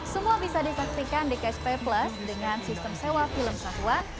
semua bisa dipastikan di catch play plus dengan sistem sewa film satuan